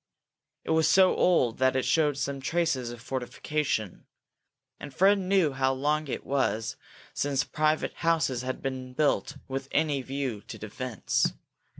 It was so old that it showed some traces of fortification, and Fred knew how long it was since private houses had been built with any view to defence.